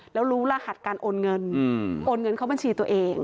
แล้วรู้รหัสการโอนเงินโอนเงินเข้าบัญชีตัวเอง